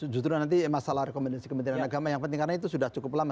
justru nanti masalah rekomendasi kementerian agama yang penting karena itu sudah cukup lama